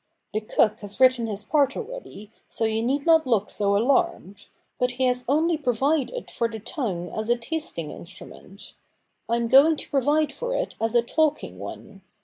The cook has written his part already, so you need not look so alarmed ; but he has only provided for the tongue as a tasting instrument ; I am going to provide for it as a talk ing one.